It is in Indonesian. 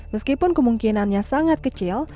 meskipun kemungkinannya sangat kecil